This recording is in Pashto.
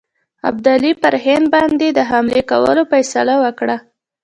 ابدالي پر هند باندي د حملې کولو فیصله وکړه.